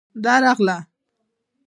_درغله.